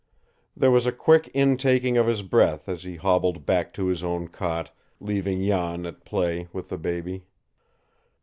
There was a quick intaking of his breath as he hobbled back to his own cot, leaving Jan at play with the baby.